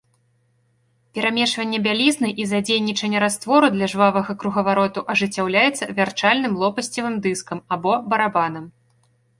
Перамешванне бялізны і задзейнічанне раствору для жвавага кругавароту ажыццяўляецца вярчальным лопасцевым дыскам або барабанам.